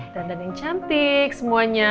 dan yang cantik semuanya